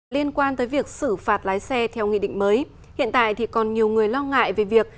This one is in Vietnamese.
liên quan tới việc xử phạt lái xe theo nghị định mới hiện tại thì còn nhiều người lo ngại về việc